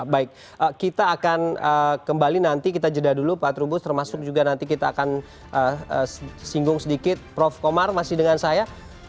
baik kita akan kembali nanti kita jeda dulu pak trubus termasuk juga nanti kita akan singgung sedikit prof komar masih dengan saya